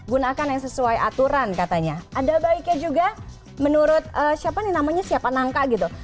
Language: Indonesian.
gunakan yang sesuai aturan katanya ada baiknya juga menurut siapa nih namanya siapa nangka gitu